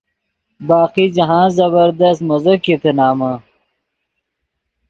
باقی جاہند زبردست مزو کیتے نمن۔